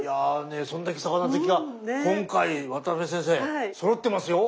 そんだけ魚好きが今回渡辺先生そろってますよ！